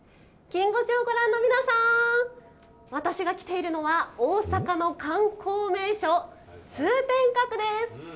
きん５時をご覧の皆さん、私が来ているのは、大阪の観光名所、通天閣です。